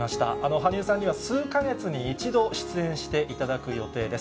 羽生さんには数か月に一度、出演していただく予定です。